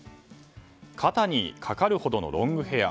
肩にかかるほどのロングヘア。